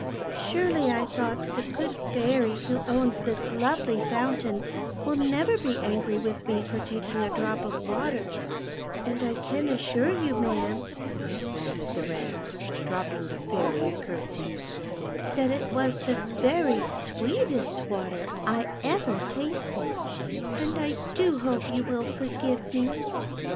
Surely, I thought, the good Fairy who owns this lovely fountain will never be angry with me for taking a drop of water ; and I can assure you, ma'am," added the Wren, dropping the Fairy a curtsey, " that it was the very sweetest water I ever tasted, and I do hope \'0u will forgive me."